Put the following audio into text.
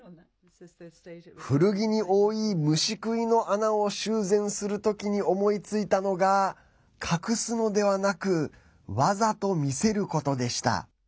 古着に多い虫食いの穴を修繕する時に思いついたのが隠すのではなくわざと見せることでした。